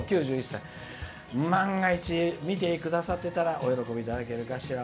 万が一、見てくださってたらお喜びいただけるかしら。